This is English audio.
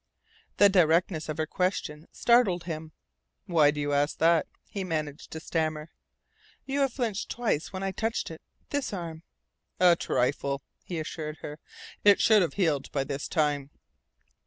The directness of her question startled him. "Why do you ask that?" he managed to stammer. "You have flinched twice when I touched it this arm." "A trifle," he assured her. "It should have healed by this time."